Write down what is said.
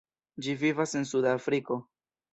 Ĝi vivas en Suda Afriko.